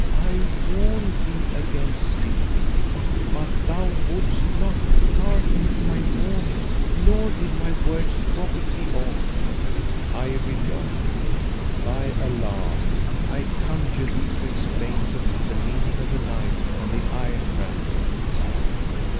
I warned thee against sleeping; but thou wouldst not hearken to my warning, nor did my words profit thee aught." I rejoined, "By Allah, I conjure thee to explain to me the meaning of the knife and the iron dram weight."